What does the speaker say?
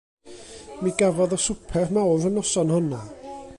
Mi gafodd o swper mawr y noson honno.